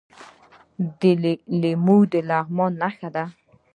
لیمو د لغمان نښه ده.